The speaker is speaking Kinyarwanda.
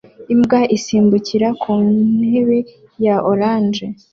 imbwa isimbukira ku ntebe ya orange